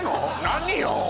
何よ！